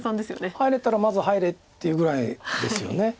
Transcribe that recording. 入れたらまず入れっていうぐらいですよね。